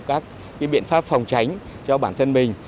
các biện pháp phòng tránh cho bản thân mình